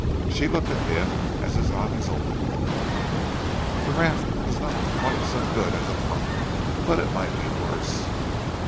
She looked at him as his eyes opened. "This raft is not quite so good as a punt but it might be worse!"